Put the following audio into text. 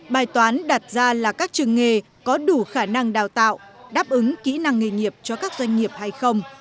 bài toán đặt ra là các trường nghề có đủ khả năng đào tạo đáp ứng kỹ năng nghề nghiệp cho các doanh nghiệp hay không